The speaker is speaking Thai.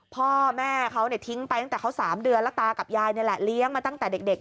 พ่อแม่เขาทิ้งไปตั้งแต่เขา๓เดือนแล้วตากับยายนี่แหละเลี้ยงมาตั้งแต่เด็ก